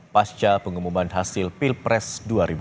pasca pengumuman hasil pilpres dua ribu dua puluh empat